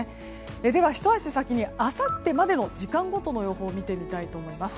では、ひと足先にあさってまでの時間ごとの予報を見てみたいと思います。